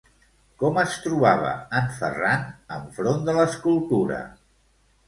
Com es trobava en Ferran en front de l'escultura?